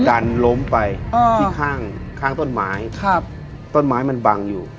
ดันล้มไปที่ข้างข้างต้นไม้ครับต้นไม้มันบังอยู่